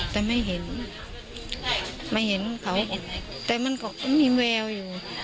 แต่ไม่เห็นไม่เห็นเขาแต่มันก็มีแววอยู่